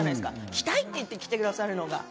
来たいって言って来てくださるのが。